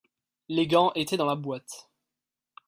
les gants étaient dans la boîte.